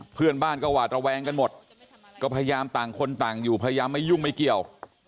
เพื่อนบ้านก็หวาดระแวงกันหมดก็พยายามต่างคนต่างอยู่พยายามไม่ยุ่งไม่เกี่ยว